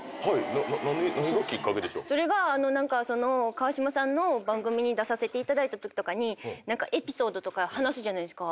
川島さんの番組に出させていただいたときとかにエピソードとか話すじゃないですか。